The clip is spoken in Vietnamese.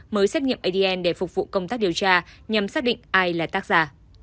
mới xét nghiệm adn để phục vụ công tác điều tra nhằm xác định ai là tác giả